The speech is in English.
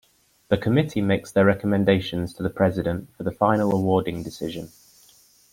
The Committee makes their recommendations to the President for the final awarding decision.